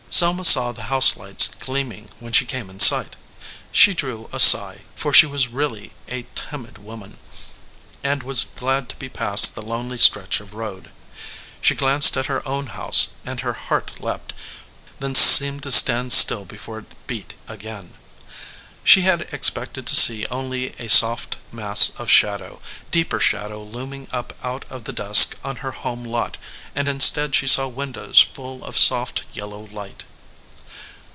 Selma saw the house lights gleaming when she came in sight. She drew a sigh, for she was really a timid woman, and was glad to be past the lonely stretch of road. She glanced at her own house, and her heart leaped, then seemed to stand still before it beat again. She had expected to see only a soft mass of shadow, deeper shadow looming up out of the dusk on her home lot, and instead she saw windows full of soft yellow light.